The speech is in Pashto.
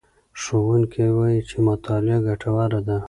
ښوونکی وایي چې مطالعه ګټوره ده.